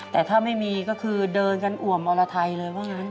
แต่ถ้าไม่มีก็คือเดินกันอ่วมอรไทยเลยว่างั้น